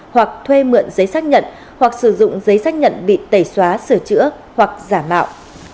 hoặc thuê mượn giấy xác nhận hoặc sử dụng giấy xác nhận bị tẩy xóa sửa chữa hoặc giả mạo